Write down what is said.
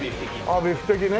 あっビフテキね。